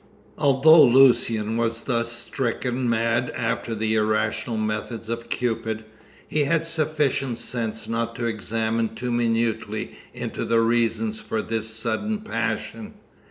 Although Lucian was thus stricken mad after the irrational methods of Cupid, he had sufficient sense not to examine too minutely into the reasons for this sudden passion.